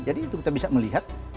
jadi itu kita bisa melihat